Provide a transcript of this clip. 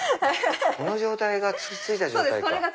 この状態がついた状態か。